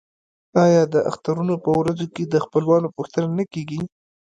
آیا د اخترونو په ورځو کې د خپلوانو پوښتنه نه کیږي؟